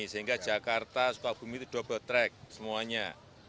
sehingga jakarta sukabumi itu double track semuanya